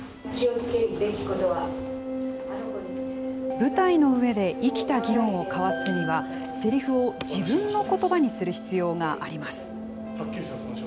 舞台の上で生きた議論を交わすには、せりふを自分のことばにする必要があります。